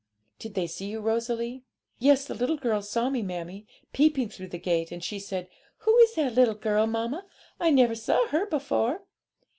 'Did they see you, Rosalie?' 'Yes; the little girl saw me, mammie, peeping through the gate, and she said, "Who is that little girl, mamma? I never saw her before."